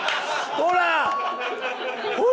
ほら！